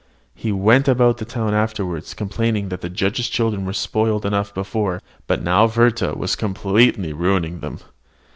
He went about the town afterward, complaining that the judge's children were spoiled enough before, but that now Werther was completely ruining them.